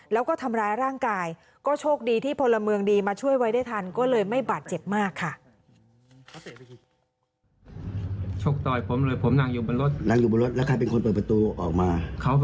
แล้วก็ทำร้ายร่างกายก็โชคดีที่พลเมืองดีมาช่วยไว้ได้ทันก็เลยไม่บาดเจ็บมากค่ะ